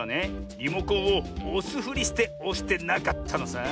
リモコンをおすふりしておしてなかったのさ。